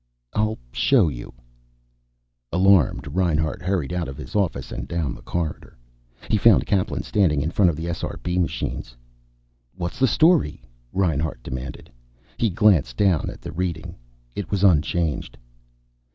"I'll show you." Alarmed, Reinhart hurried out of his office and down the corridor. He found Kaplan standing in front of the SRB machines. "What's the story?" Reinhart demanded. He glanced down at the reading. It was unchanged.